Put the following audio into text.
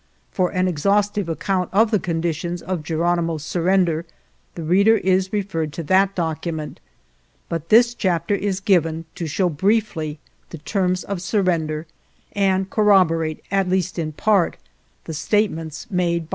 For an exhaustive account of the conditions of Geronimo's surrender the reader is re ferred to that document, but this chapter is given to show briefly the terms of surrender, and corroborate, at least in part, the state ments made by Geronimo.